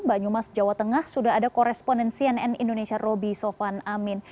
banyumas jawa tengah sudah ada koresponen cnn indonesia roby sofan amin